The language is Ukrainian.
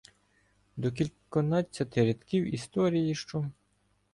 До кільканадцяти рядків історії, що